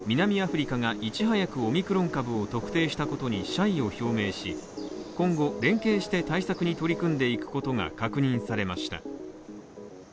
今夜、急きょ開かれたＧ７の保健大臣の会合南アフリカがいち早くオミクロン株を特定したことに謝意を表明し、今後連携して対策に取り組んでいくことが確認されました。